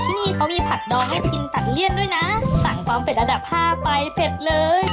ที่นี่เขามีผักดองให้กินตัดเลี่ยนด้วยนะสั่งความเผ็ดอันดับ๕ไปเผ็ดเลย